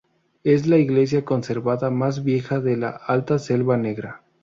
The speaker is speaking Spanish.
Es la iglesia conservada más vieja de la Alta Selva Negra.